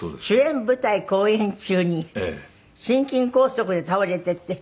主演舞台公演中に心筋梗塞で倒れて。